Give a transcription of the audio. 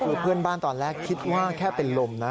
คือเพื่อนบ้านตอนแรกคิดว่าแค่เป็นลมนะ